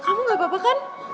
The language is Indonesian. kamu gak apa apa kan